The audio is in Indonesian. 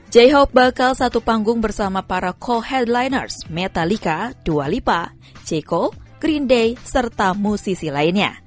j hope bakal satu panggung bersama para co headliners metallica dua lipa j hope green day serta musisi lainnya